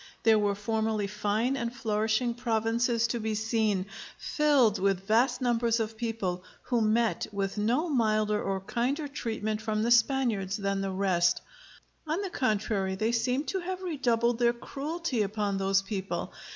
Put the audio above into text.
There were formerly fine and flourishing provinces to be seen, filled with vast numbers of people, who met with no milder or kinder treatment from the Spaniards than the rest. On the contrary, they seemed to have redoubled their cruelty upon those people.